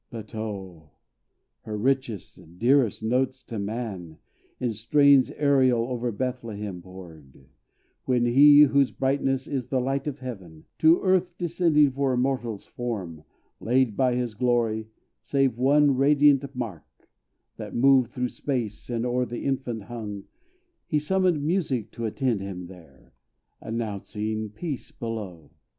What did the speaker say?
But oh! her richest, dearest notes to man, In strains aerial over Bethlehem poured, When HE, whose brightness is the light of heaven, To earth descending for a mortal's form, Laid by his glory, save one radiant mark, That moved through space, and o'er the infant hung, He summoned Music to attend him here, Announcing peace below!